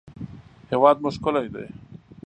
هېواد مو ښکلی دی